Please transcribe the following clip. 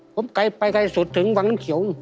ผมไปใกล้สุดถึงวังเขียว